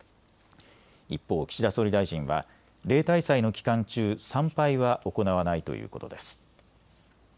一方、岸田総理大臣は例大祭の期間中、参拝は行わないということです。